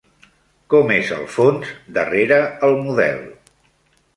Com és el fons darrere el model?